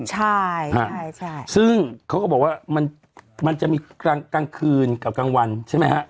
ใช่ใช่ซึ่งเขาก็บอกว่ามันจะมีกลางคืนกับกลางวันใช่ไหมฮะ